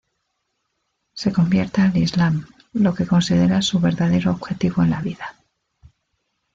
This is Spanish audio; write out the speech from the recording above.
Se convierte al Islam, lo que considera su verdadero objetivo en la vida.